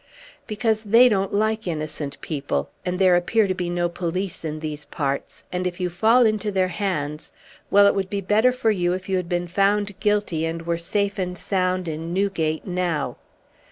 "Because they don't like innocent people; and there appear to be no police in these parts; and if you fall into their hands well, it would be better for you if you had been found guilty and were safe and sound in Newgate now!"